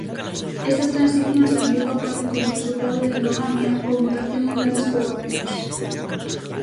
Estas transicións a miúdo ocorren como resultado de endogamia ou mutación en grandes poboacións.